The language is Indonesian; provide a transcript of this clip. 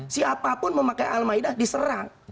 siapapun memakai al ma'idah diserang